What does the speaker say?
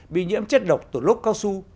bị nhiễm chất độc tổ lốc cao su